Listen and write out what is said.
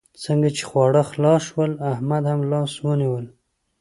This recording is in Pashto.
څنګه چې خواړه خلاص شول؛ احمد هم لاس ونيول.